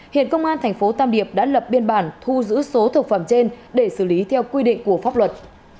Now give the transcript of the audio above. hiện công an thành phố tam điệp đã lập biên bản thu giữ số thực phẩm trên để xử lý theo quy định của pháp luật